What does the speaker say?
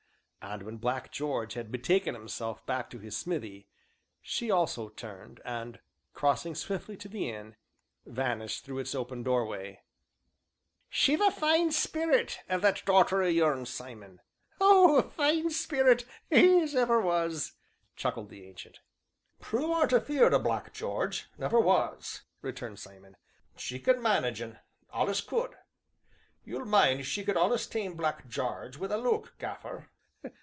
And, when Black George had betaken himself back to his smithy, she also turned, and, crossing swiftly to the inn, vanished through its open doorway. "She 've a fine sperrit, 'ave that darter o' yourn, Simon, a fine sperrit. Oh! a fine sperrit as ever was!" chuckled the Ancient. "Prue aren't afeard o' Black Jarge never was," returned Simon; "she can manage un allus could; you'll mind she could allus tame Black Jarge wi' a look, Gaffer."